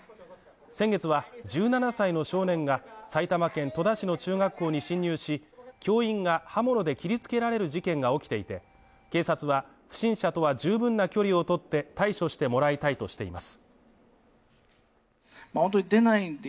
先月は１７歳の少年が埼玉県戸田市の中学校に侵入し教員が刃物で切り付けられる事件が起きていて、警察は、不審者とは十分な距離をとって対処してもらいたいとしています。